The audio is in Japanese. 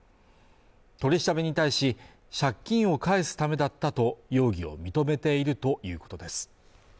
取り調べに対し、借金を返すためだったと容疑を認めているということです。